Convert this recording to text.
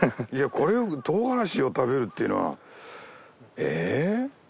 これとうがらしを食べるっていうのはえっ！？